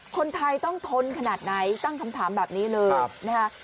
คนไทยต้องทนขนาดไหนตั้งคำถามแบบนี้เลยนะคะ